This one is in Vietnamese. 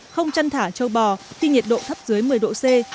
không chăn thả châu bò khi nhiệt độ thấp dưới một mươi độ c